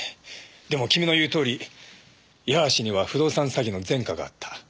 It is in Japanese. でも君の言うとおり矢橋には不動産詐欺の前科があった。